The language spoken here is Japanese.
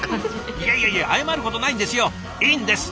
いやいやいや謝ることないんですよ！